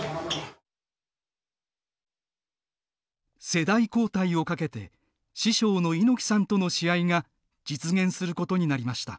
世代交代をかけて師匠の猪木さんとの試合が実現することになりました。